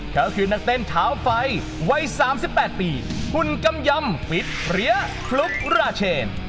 เขาคือนักเต้นเท้าไฟวัย๓๘ปีคุณกำยำฟิตเพลี้ยคลุกราเชน